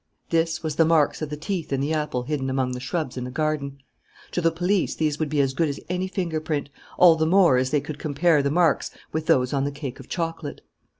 This was the marks of the teeth in the apple hidden among the shrubs in the garden. To the police these would be as good as any fingerprint, all the more as they could compare the marks with those on the cake of chocolate.